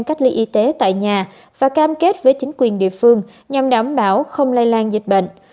cách ly y tế tại nhà và cam kết với chính quyền địa phương nhằm đảm bảo không lây lan dịch bệnh